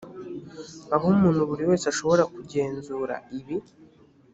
aho umuntu buri wese ashobora kugenzura ibi